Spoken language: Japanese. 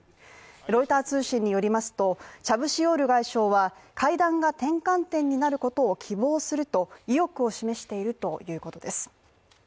ロイター通信によりますとチャブシオール外相は会談が転換点になることを希望すると意欲を示しているということです。